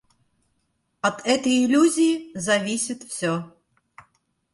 От этой иллюзии зависит все.